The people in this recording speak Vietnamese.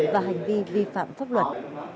và hành vi vi phạm pháp luật